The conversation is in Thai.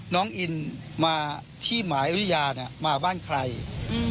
น้องอินมาที่หมายริยาเนี้ยมาบ้านใครอืม